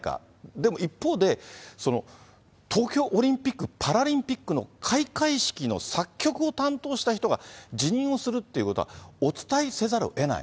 でも一方で、東京オリンピック・パラリンピックの開会式の作曲を担当した人が辞任をするっていうことはお伝えせざるをえない。